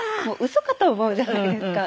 嘘かと思うじゃないですか。